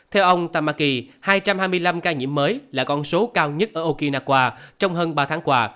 theo ông tammaki hai trăm hai mươi năm ca nhiễm mới là con số cao nhất ở okinawa trong hơn ba tháng qua